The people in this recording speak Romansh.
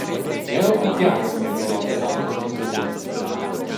Jeu hai piars mia fidonza en autras persunas.